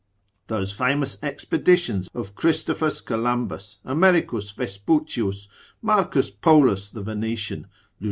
Those famous expeditions of Christoph. Columbus, Americus Vespucius, Marcus Polus the Venetian, Lod.